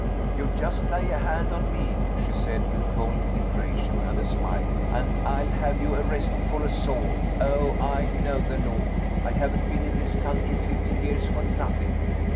"You just lay a hand on me," she said with cold deliberation, and a smile, "and I'll have you arrested for assault. Oh, I know the law. I haven't been in this country fifteen years for nothing.